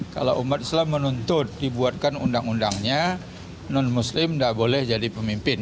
kalau umat islam menuntut dibuatkan undang undangnya non muslim tidak boleh jadi pemimpin